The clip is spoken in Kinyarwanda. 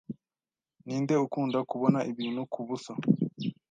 Ninde ukunda kubona ibintu kubusa?